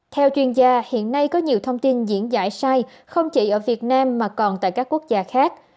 theo chuyên gia hiện nay có nhiều thông tin diễn giải sai không chỉ ở việt nam mà còn tại các quốc gia khác